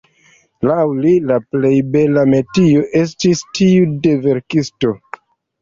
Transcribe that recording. Laŭ li, «la plej bela metio estis tiu de verkisto».